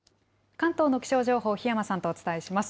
関東の気象情報、檜山さんとお伝えします。